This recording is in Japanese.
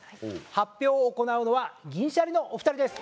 発表を行うのは銀シャリのお二人です。